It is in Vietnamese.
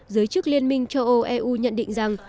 giới chức liên minh châu âu eu nhận định rằng